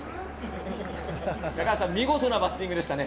見事なバッティングでしたね。